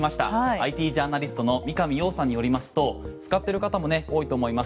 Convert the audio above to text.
ＩＴジャーナリストの三上洋さんによりますと使ってる方も多いと思います